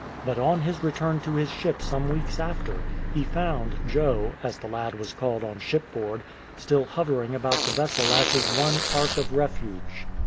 But on his return to his ship some weeks after, he found " Joe," as the lad was called on shipboard, still hovering about the vessel as his one ark of refuge.